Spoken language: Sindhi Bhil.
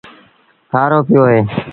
کآرو پيو اهي۔